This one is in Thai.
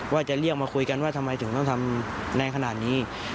ว่าจะเรียกมาคุยกันว่าทำไมถึงต้องทำแรงขนาดนี้